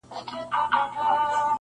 o ما دفن کړه د دې کلي هدیره کي,